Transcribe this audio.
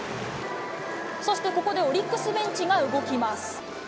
そして、ここでオリックスベンチが動きます。